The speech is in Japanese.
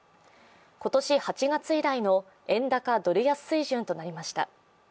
今年８月以来の円高・ドル安水準となりました。